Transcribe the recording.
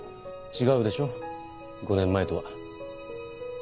違うでしょ５年前とは。